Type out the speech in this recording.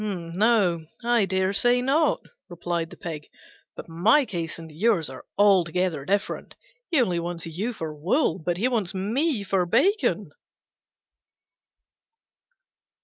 "No, I dare say not," replied the Pig, "but my case and yours are altogether different: he only wants you for wool, but he wants me for bacon."